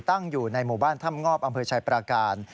อยู่ในหมู่บ้านถ้ำงอบอำเภอชัยปราการ